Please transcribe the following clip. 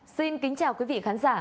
xin kính chào quý vị khán giả